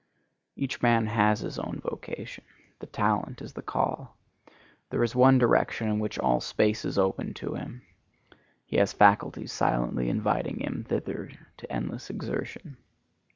Each man has his own vocation. The talent is the call. There is one direction in which all space is open to him. He has faculties silently inviting him thither to endless exertion.